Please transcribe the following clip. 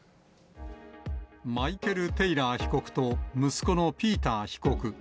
マイケル・テイラー被告と、息子のピーター被告。